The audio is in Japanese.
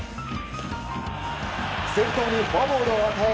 先頭にフォアボールを与え